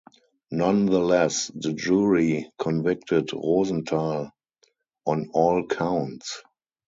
Nonetheless, the jury convicted Rosenthal on all counts.